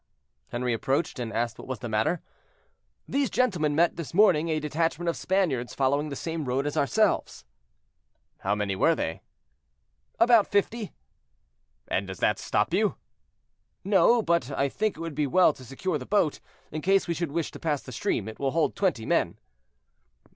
Henri approached, and asked what was the matter. "These gentlemen met this morning a detachment of Spaniards following the same road as ourselves." "How many were they?" "About fifty." "And does that stop you?" "No, but I think it would be well to secure the boat, in case we should wish to pass the stream; it will hold twenty men."